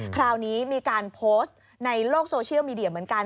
คราวนี้มีการโพสต์ในโลกโซเชียลมีเดียเหมือนกัน